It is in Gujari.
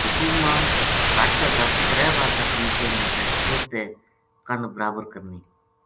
رکوع ما کہٹ تے کہٹ ترے وار تکبیر کہنی تے سر تے کنڈ برابر کرنی۔